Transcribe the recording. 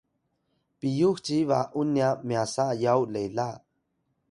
piyux ci ba’un nya myasa yaw lela